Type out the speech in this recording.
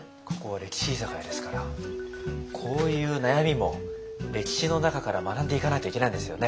ここは歴史居酒屋ですからこういう悩みも歴史の中から学んでいかないといけないんですよね。